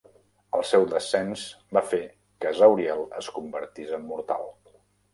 El seu descens va fer que Zauriel es convertís en mortal.